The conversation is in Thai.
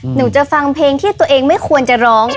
หนูจะฟังเพลงที่ตัวเองไม่ควรจะร้อง